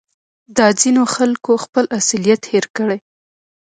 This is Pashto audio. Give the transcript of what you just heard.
دا ځینو خلکو خپل اصلیت هېر کړی